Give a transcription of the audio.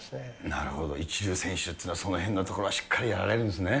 なるほど、一流選手というのはそこらへんのところはしっかりやられるんですね。